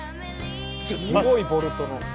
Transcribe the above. すごいボルトの。